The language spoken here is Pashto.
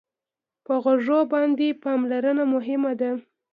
په غوږو باندې پاملرنه مهمه ده.